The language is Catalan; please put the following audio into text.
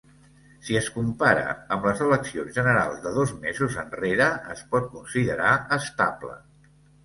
Si es compara amb les eleccions generals de dos mesos enrere, es pot considerar estable.